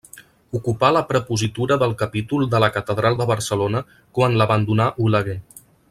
Ocupà la prepositura del capítol de la catedral de Barcelona quan l'abandonà Oleguer.